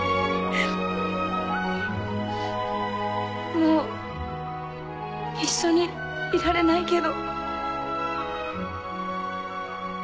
もう一緒にいられないけど。